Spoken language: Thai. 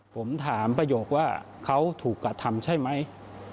ผมถามประโยคว่าเขาถูกกระทำใช่ไหม